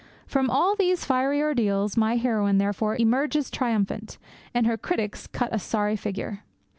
From all these fiery ordeals my heroine, therefore, emerges triumphant, and her critics cut a sorry figure.